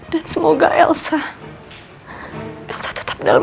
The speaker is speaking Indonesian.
dan semoga elsa tetap dalam keadaan baik baik aja ya allah